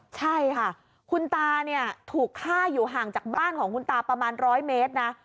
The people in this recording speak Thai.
ใช่ค่ะคุณตาเนี่ยถูกฆ่าอยู่ห่างจากบ้านของคุณตาประมาณ๑๐๐เมตรนะ